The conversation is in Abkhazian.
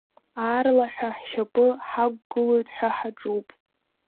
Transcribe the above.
Аарлаҳәа ҳшьапы ҳақәгылоит ҳәа ҳаҿуп.